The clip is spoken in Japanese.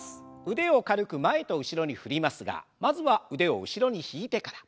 腕を軽く前と後ろに振りますがまずは腕を後ろに引いてから。